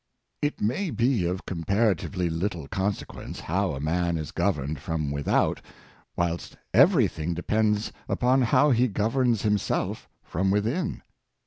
It may be of comparatively little consequence how a man is governed from without, whilst everything de pends upon how he governs himself from within.